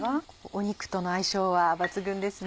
肉との相性は抜群ですね。